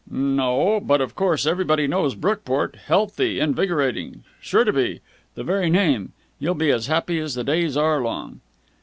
"No. But of course everybody knows Brookport. Healthy, invigorating.... Sure to be. The very name.... You'll be as happy as the days are long!"